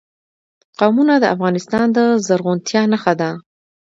قومونه د افغانستان د زرغونتیا نښه ده.